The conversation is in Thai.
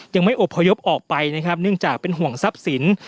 ยังไม่อบพยพออกไปนะครับเนื่องจากเป็นห่วงทรัพย์สิน